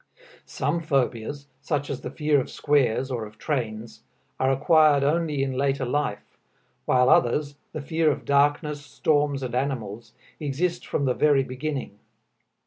Some phobias, such as the fear of squares or of trains, are acquired only in later life, while others, the fear of darkness, storms and animals, exist from the very beginning.